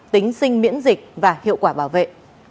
tính sinh miễn dịch và hiệu quả bảo vệ